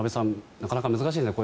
なかなか難しいですね。